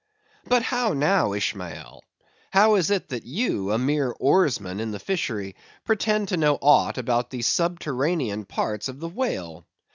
But how now, Ishmael? How is it, that you, a mere oarsman in the fishery, pretend to know aught about the subterranean parts of the whale?